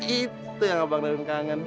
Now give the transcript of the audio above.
itu yang bang darwin kangen